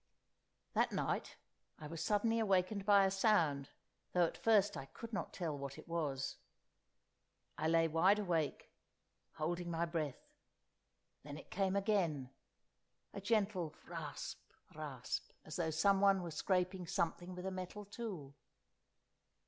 That night I was suddenly awakened by a sound, though at first I could not tell what it was. I lay wide awake, holding my breath: then it came again, a gentle rasp, rasp, as though someone were scraping something with a metal tool.